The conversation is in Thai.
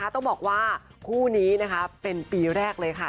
ต้องบอกว่าคู่นี้เป็นปีแรกเลยค่ะ